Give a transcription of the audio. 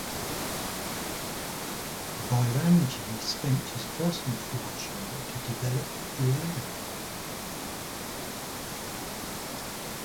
Byramjee spent his personal fortune to develop the area.